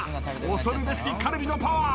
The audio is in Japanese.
恐るべしカルビのパワー。